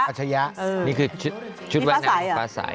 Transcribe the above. พี่ซิลนี่คือชุดแฟ้ตใสอ่ะน่าเหมือนดารา